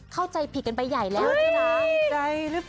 เข้าใจผิดกันไปใหญ่แล้วนะฮรือย